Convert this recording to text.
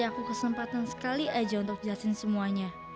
aku kesempatan sekali aja untuk jelasin semuanya